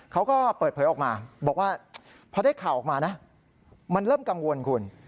เขาก็เปิดเผยออกมาบอกว่าพอได้ข่าวออกมานะมันเริ่มกังวลคุณ